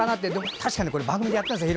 確かに、番組でやったんですよ